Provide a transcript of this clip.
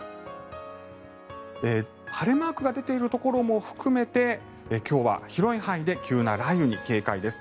晴れマークが出ているところも含めて今日は広い範囲で急な雷雨に警戒です。